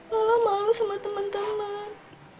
malu malu sama teman teman